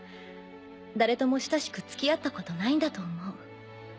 誰とも親しくつきあったことないんだと思う。